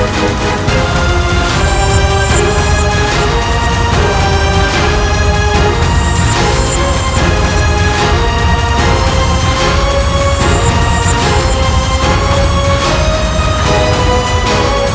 sudah cukup saat ini raden